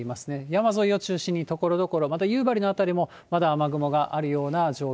山沿いを中心にところどころ、また夕張の辺りも、まだ雨雲があるような状